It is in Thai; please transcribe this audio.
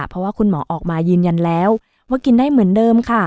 เพราะว่าคุณหมอออกมายืนยันแล้วว่ากินได้เหมือนเดิมค่ะ